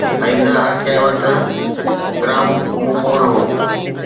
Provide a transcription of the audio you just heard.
۽ نه هر ڪنهن وٽ گراموفون هو.